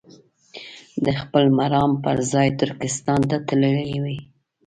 د خپل مرام پر ځای ترکستان ته تللي وي.